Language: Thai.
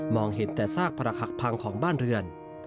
เห็นแต่ซากประหลักหักพังของบ้านเรือน